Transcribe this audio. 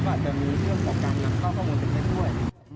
ก็อาจจะมีเรื่องของการกลับข้อความความอุ้นเป็นได้ด้วย